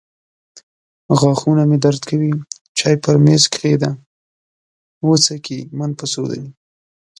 غاښونه مې درد کوي. چای پر مېز کښېږده. وڅکې من په څو دي.